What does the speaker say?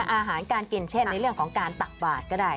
อาหารการกินเช่นในเรื่องของการตักบาทก็ได้